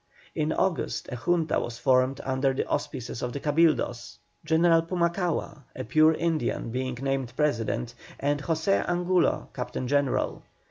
In August a Junta was formed under the auspices of the Cabildos, General Pumacahua, a pure Indian, being named President, and José Angulo Captain General.